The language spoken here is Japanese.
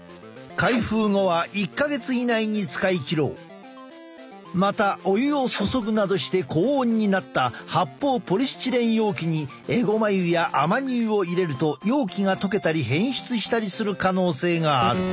オメガ３はまたお湯を注ぐなどして高温になった発泡ポリスチレン容器にえごま油やアマニ油を入れると容器が溶けたり変質したりする可能性がある。